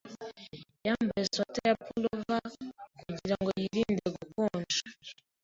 Yambaye swater ya pullover kugirango yirinde gukonja.